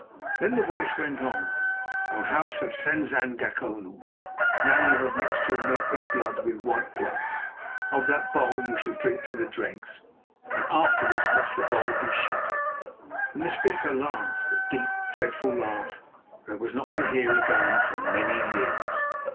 Then the voice went on: "O House of Senzangacona! now you have mixed your milk with blood, with white blood. Of that bowl you shall drink to the dregs, and afterwards must the bowl be shattered"; and the speaker laughed—a deep, dreadful laugh that I was not to hear again for years.